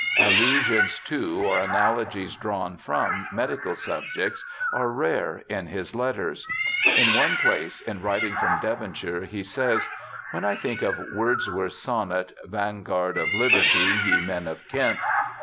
Allusions to or analogies drawn from medical subjects are rare in his letters. In one place, in writing from Devonshire, he says, 'When I think of Wordsworth's sonnet, "Vanguard of Liberty! Ye men of Kent!"